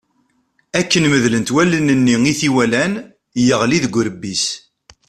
Akken medlent wallen-nni i t-iwalan, yeɣli deg urebbi-s.